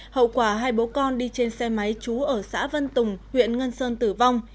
hậu quả hai bố con đi trên xe máy trú ở xã vân tùng huyện ngân sơn tử vong